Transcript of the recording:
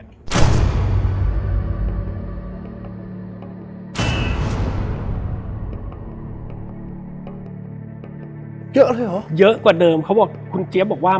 เยอะเลยเหรอเยอะกว่าเดิมเขาบอกคุณเจี๊ยบบอกว่า